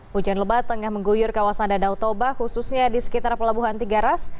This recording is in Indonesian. hujan lebat tengah mengguyur kawasan danau toba khususnya di sekitar pelabuhan tiga ras